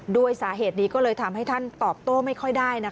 ด้วยสาเหตุนี้ก็เลยทำให้ท่านตอบโต้ไม่ค่อยได้